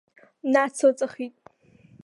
Нацылҵахит.